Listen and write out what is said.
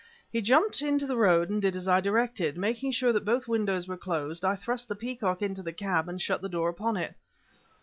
He jumped into the road and did as I directed. Making sure that both windows were closed, I thrust the peacock into the cab and shut the door upon it.